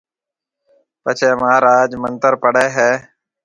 پڇيَ مھاراج منتر پڙھيََََ ھيََََ